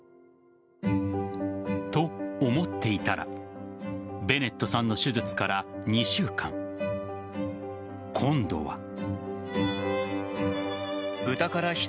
と、思っていたらベネットさんの手術から２週間今度は。